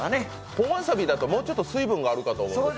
本わさびだともうちょっと水分があるかと思うんですが。